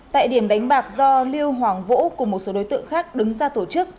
tại điểm đánh bạc do liêu hoàng vỗ cùng một số đối tượng khác đứng ra tổ chức